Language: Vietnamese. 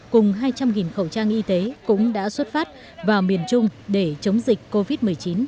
cùng hai trăm linh khẩu trang y tế cũng đã xuất phát vào miền trung để chống dịch covid một mươi chín